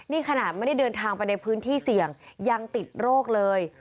นี่ขนาดไม่ได้เดินทางไปในพื้นที่เสี่ยงยังติดโรคเลย